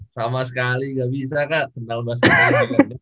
sama sekali gak bisa kak tentang basket